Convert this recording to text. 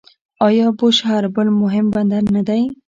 آیا بوشهر بل مهم بندر نه دی؟